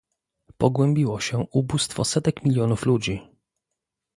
Pogłębiło się ubóstwo setek milionów ludzi